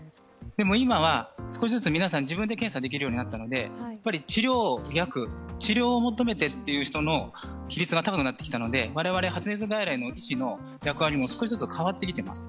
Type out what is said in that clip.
でも今は少しずつ皆さん自分で検査できるようになったので治療薬を求めている比率が高くなってきたので、我々発熱外来の医師の役割も少しずつ変わってきています。